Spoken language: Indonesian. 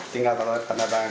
tinggal tolak tanda tangan